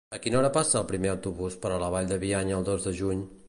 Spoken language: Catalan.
A quina hora passa el primer autobús per la Vall de Bianya el dos de juny?